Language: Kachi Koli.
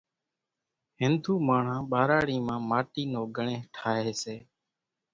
هنڌُو ماڻۿان ٻاراڙِي مان ماٽِي نو ڳڻيۿ ٺاۿيَ سي۔